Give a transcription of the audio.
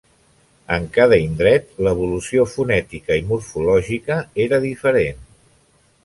En cada indret l'evolució fonètica i morfològica era diferent.